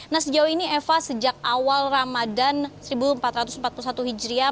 nah sejauh ini eva sejak awal ramadan seribu empat ratus empat puluh satu hijriah